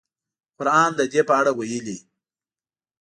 قران د دې په اړه ویلي.